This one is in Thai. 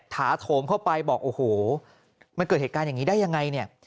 ถาโถมเข้าไปบอกโอ้โหมันเกิดเหตุการณ์อย่างนี้ได้ยังไงเนี่ย